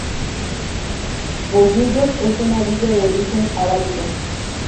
Bollullos es una villa de origen arábigo.